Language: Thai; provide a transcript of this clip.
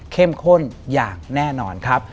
เข้มข้นอย่างแน่นอนครับ